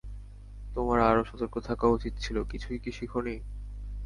তোমার আরও সতর্ক থাকা উচিত ছিল, কিছুই কি শিখোনি?